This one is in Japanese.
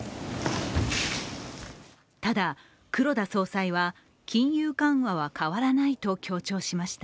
ただ、黒田総裁は金融緩和は変わらないと強調しました。